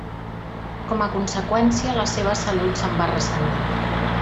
Com a conseqüència la seva salut se'n va ressentir.